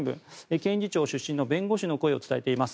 検事長出身の弁護士の声を伝えています。